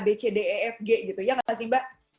bcdefg gitu ya nggak sih mbak